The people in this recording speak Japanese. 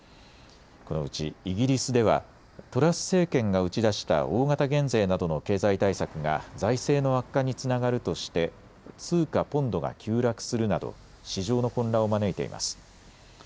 このうちイギリスではトラス政権が打ち出した大型減税などの経済対策が財政の悪化につながるとして通貨ポンドが急落するなど市場の混乱を招いています。